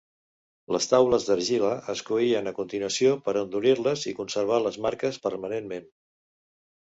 Les taules d'argila es coïen a continuació per endurir-les i conservar les marques permanentment.